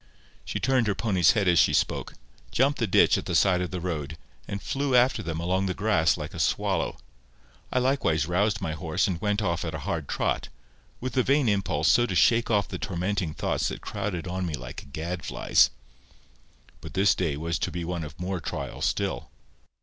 She turned her pony's head as she spoke, jumped the ditch at the side of the road, and flew after them along the grass like a swallow. I likewise roused my horse and went off at a hard trot, with the vain impulse so to shake off the tormenting thoughts that crowded on me like gadflies. But this day was to be one of more trial still.